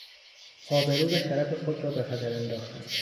آبرو و شرف خود را به خطر انداختن